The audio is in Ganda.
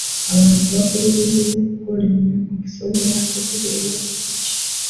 Abantu bakubirizibwa okukola ennyo okusobola okubeera obulungi.